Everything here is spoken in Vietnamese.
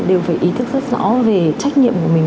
đều phải ý thức rất rõ về trách nhiệm của mình